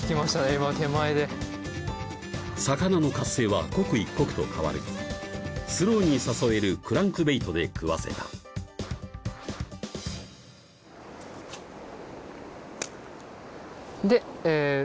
今手前で魚の活性は刻一刻と変わるスローに誘えるクランクベイトで食わせたでえ